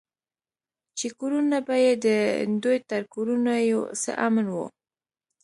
چې کورونه به يې د دوى تر کورونو يو څه امن وو.